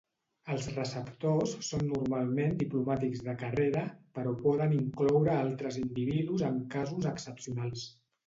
Els receptors són normalment diplomàtics de carrera, però poden incloure altres individus en casos excepcionals.